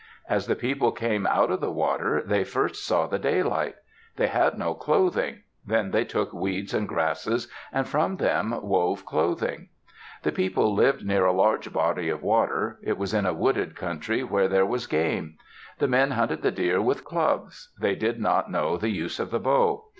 As the people came out of the water, they first saw the daylight. They had no clothing. Then they took weeds and grasses and from them wove clothing. The people lived near a large body of water; it was in a wooded country where there was game. The men hunted the deer with clubs; they did not know the use of the bow.